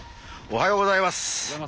おはようございます。